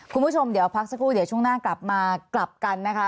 คุณผู้ชมเดี๋ยวพักสักครู่เดี๋ยวช่วงหน้ากลับมากลับกันนะคะ